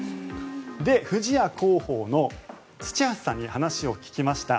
不二家広報の土橋さんに話を聞きました。